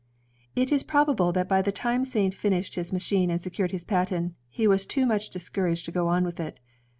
It is probable that by the time Saint finished his machine and secured his patent, he was too much discouraged to go on with it.